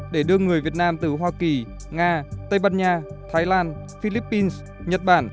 để đưa người việt nam từ hoa kỳ nga tây ban nha thái lan philippines nhật bản